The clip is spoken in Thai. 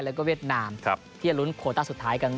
แล้วก็เวียดนามที่จะลุ้นโคต้าสุดท้ายกัน